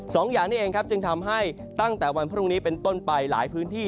สองอย่างนี้เองครับจึงทำให้ตั้งแต่วันพรุ่งนี้เป็นต้นไปหลายพื้นที่